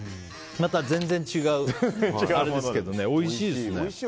また全然違いますけどおいしいですね。